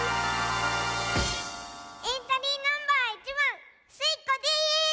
エントリーナンバー１ばんスイ子です！